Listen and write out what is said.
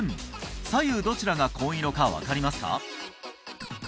左右どちらが紺色か分かりますか？